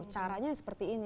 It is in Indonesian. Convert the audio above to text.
caranya seperti ini